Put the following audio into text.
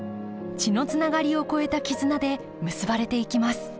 血のつながりを超えた絆で結ばれていきます